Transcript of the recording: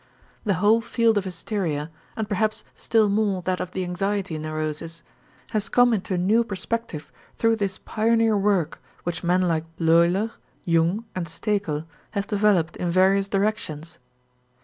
The whole field of hysteria, and perhaps still more that of the anxiety neurosis, has come into new perspective through this pioneer work which men like Bleuler, Jung, and Stekel have developed in various directions.